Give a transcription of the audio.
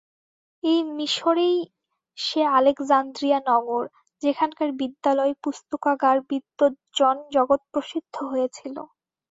এই মিসরেই সে আলেকজান্দ্রিয়া নগর, যেখানকার বিদ্যালয়, পুস্তাকাগার, বিদ্বজ্জন জগৎপ্রসিদ্ধ হয়েছিল।